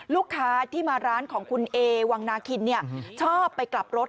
ลูกค้าที่มาร้านของคุณเอวังนาคินชอบไปกลับรถ